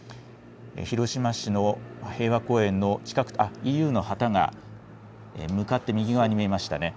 広島市の平和公園の近く、ＥＵの旗が向かって右側に見えましたね。